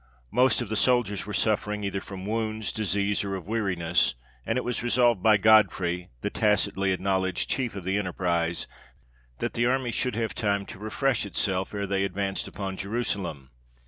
Most of the soldiers were suffering either from wounds, disease, or weariness; and it was resolved by Godfrey, the tacitly acknowledged chief of the enterprise, that the army should have time to refresh itself ere they advanced upon Jerusalem.